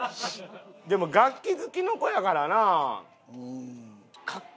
でも楽器好きの子やからな。